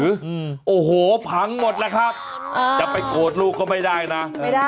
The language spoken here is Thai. โอ้โหพังหมดแล้วครับจะไปโกรธลูกก็ไม่ได้นะไม่ได้